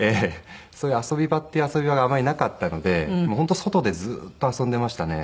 そういう遊び場っていう遊び場があまりなかったので本当外でずーっと遊んでいましたね。